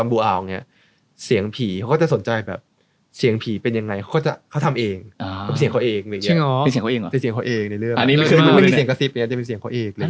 เป็นเสียงเขาเองในเรื่องคือมันไม่มีเสียงกระซิบเนี่ยจะเป็นเสียงเขาเอง